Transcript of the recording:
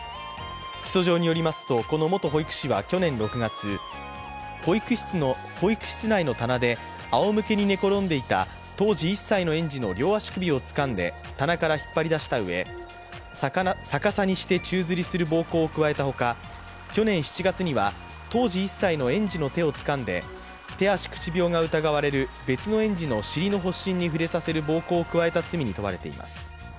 起訴状によりますとこの元保育士は去年６月、保育室内の床であおむけに寝転んでいた当時１歳の園児の両足首をつかんで棚から引っ張り出したうえ、逆さにして宙づりする暴行を加えたほか、去年７月には当時１歳の園児の手をつかんで手足口病が疑われる別の園児の尻の発疹に触れさせる暴行を加えた罪に問われています。